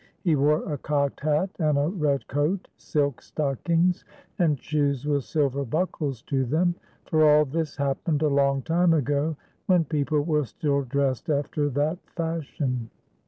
He wore a cocked hat, a red coat, silk stockings, and shoes with silver buckles to them, for all this happened a long time ago, when people were still dressed after that fashion.